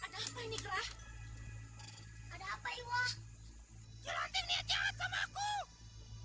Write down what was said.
ada apa ini kerah ada apa iwa jelantik niat jahat sama aku